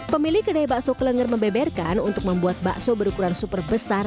pemilik kedai bakso kelenger membeberkan untuk membuat bakso berukuran super besar